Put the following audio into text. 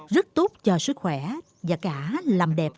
rất tốt cho sức khỏe và cả làm đẹp